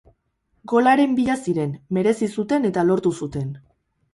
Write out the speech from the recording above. Golaren bila ziren, merezi zuten eta lortu zuten.